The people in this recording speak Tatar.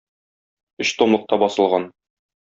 Өчтомлыкта басылган.